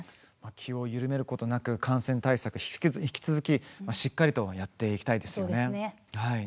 気を緩めることなく感染対策をしっかりやっていきたいですね。